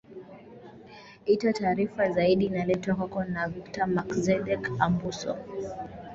ita taarifa zaidi inaletwa kwako na victor mackzedek ambuso